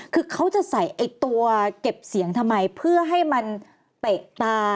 คือเขาจะใส่ไอ้ตัวเก็บเสียงทำไมเพื่อให้มันเตะตา